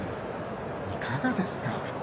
いかがですか？